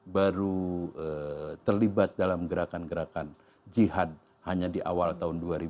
baru terlibat dalam gerakan gerakan jihad hanya di awal tahun dua ribu dua